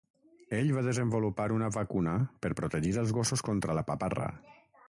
Ell va desenvolupar una vacuna per protegir els gossos contra la paparra.